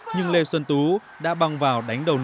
nhưng lê xuân tú đã băng vào đánh đầu nổ